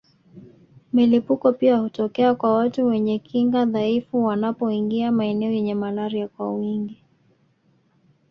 Milipuko pia hutokea kwa watu wenye kinga dhaifu wanapoingia maeneo yenye malaria kwa wingi